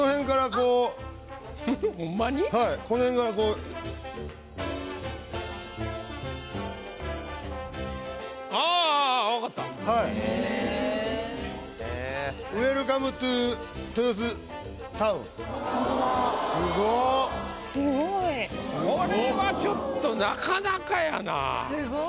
これはちょっとなかなかやな。